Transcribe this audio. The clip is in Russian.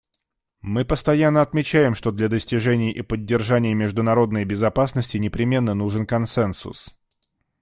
Мы постоянно отмечаем, что для достижения и поддержания международной безопасности непременно нужен консенсус.